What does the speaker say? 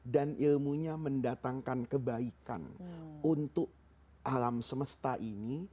dan ilmunya mendatangkan kebaikan untuk alam semesta ini